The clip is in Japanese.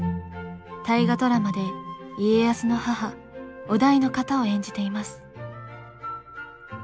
「大河ドラマ」で家康の母於大の方を演じています。